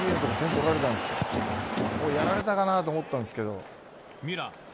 やられたかなと思ったんですけれど。